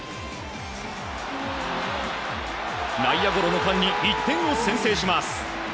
内野ゴロの間に１点を先制します。